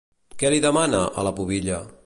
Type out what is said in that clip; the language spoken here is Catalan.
Què li demana, a la Pubilla?